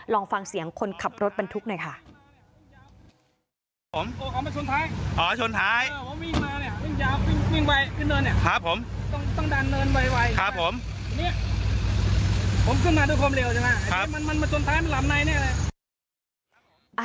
ลองฟังเสียงคนขับรถบรรทุกหน่อยค่ะ